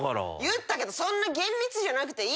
言ったけどそんな厳密じゃなくていいねん。